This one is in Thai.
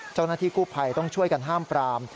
เจ้าหน้าที่กู้ภัยต้องช่วยกันห้ามปราม